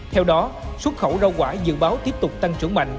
theo đó xuất khẩu rau quả dự báo tiếp tục tăng trưởng mạnh